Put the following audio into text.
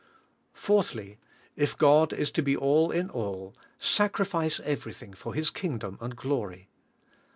Fourthly: If God is to be all in all, sacrifice everything for His kingdom and glory.